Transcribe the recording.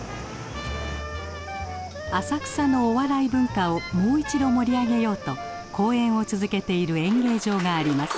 浅草のお笑い文化をもう一度盛り上げようと公演を続けている演芸場があります。